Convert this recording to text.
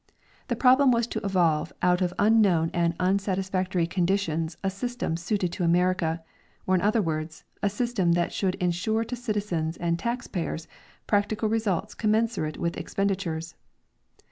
The problem was to evolve out of unknown and unsatisfactory gonditions a system suited to America^ or in other words, a system that should ensure to citizens and tax pa3'ers practical results commensurate with expenditures.